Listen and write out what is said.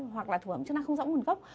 hoặc là thực phẩm chức năng không rõ nguồn gốc